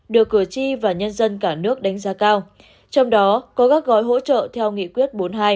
được cử tri và nhân dân cả nước đánh giá cao trong đó có các gói hỗ trợ theo nghị quyết bốn mươi hai